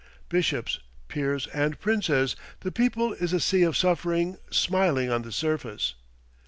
Bishops, peers, and princes, the people is a sea of suffering, smiling on the surface.